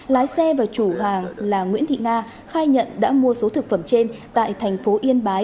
lái xe và chủ hàng là nguyễn thị nga khai nhận đã mua số thực phẩm trên tại thành phố yên bái